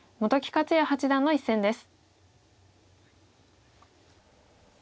克弥八段の一戦です。